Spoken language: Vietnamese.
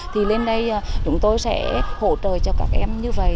thì lên đây chúng tôi sẽ hỗ trợ cho các em như vậy